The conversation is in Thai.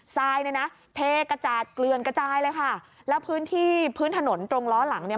ทรายเนี่ยนะเทกระจาดเกลือนกระจายเลยค่ะแล้วพื้นที่พื้นถนนตรงล้อหลังเนี่ย